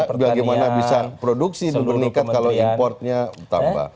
gak ada bagaimana bisa produksi meningkat kalau importnya tambah